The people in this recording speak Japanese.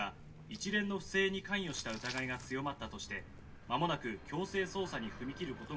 一連の不正に関与した疑いが強まったとしてまもなく強制捜査に踏み切る事がわかりました」